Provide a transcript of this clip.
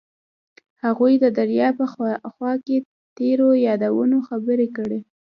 هغوی د دریا په خوا کې تیرو یادونو خبرې کړې.